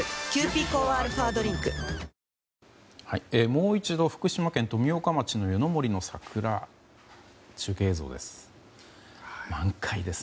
もう一度福島県富岡町の夜の森の桜、中継映像です。